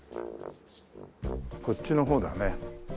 こっちの方だね。